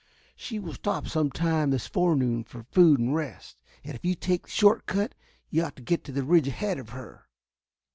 She will stop some time this forenoon for food and rest, and if you take the short cut you ought to get to the ridge ahead of her."